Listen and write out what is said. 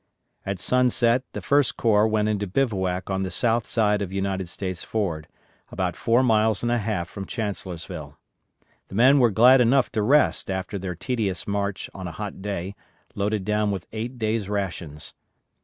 At sunset the First Corps went into bivouac on the south side of United States Ford, about four miles and a half from Chancellorsville. The men were glad enough to rest after their tedious march on a hot day, loaded down with eight days' rations.